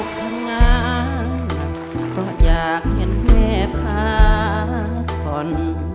เพลงที่๒มูลค่า๒๐๐๐๐บาท